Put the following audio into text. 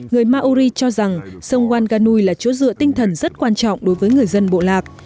người mauri cho rằng sông wanganui là chỗ dựa tinh thần rất quan trọng đối với người dân bộ lạc